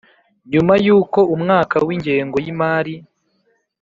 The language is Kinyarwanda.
Nyuma y uko umwaka w ingengo y imari